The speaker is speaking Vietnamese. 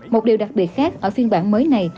một điều đặc biệt khác ở phiên bản mới này